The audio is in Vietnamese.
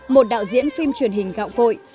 một đạo diễn phim truyền hình gạo cội